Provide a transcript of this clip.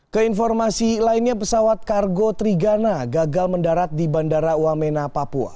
keinformasi lainnya pesawat kargo trigana gagal mendarat di bandara wamena papua